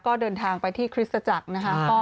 ก็เดินทางไปที่คริสตจักรนะคะ